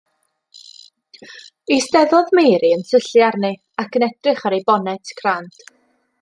Eisteddodd Mary yn syllu arni ac yn edrych ar ei bonet crand.